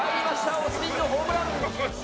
オースティンのホームラン！